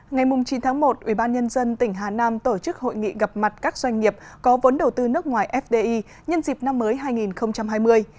ngày chín tháng một ubnd tỉnh hà nam tổ chức hội nghị gặp mặt các doanh nghiệp có vốn đầu tư nước ngoài fdi nhân dịp năm mới hai nghìn hai mươi